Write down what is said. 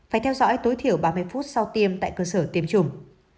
phải theo dõi tối thiểu ba mươi phút sau tiêm tại cơ sở tiêm chủng